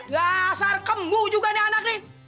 gak asar kembu juga nih anak ini